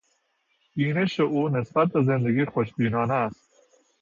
بینش او نسبت به زندگی خوشبینانه است.